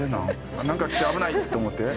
あっ何か来て危ない！って思って？